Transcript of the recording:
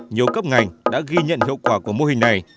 nhiều cấp ngành đã ghi nhận hiệu quả của mô hình này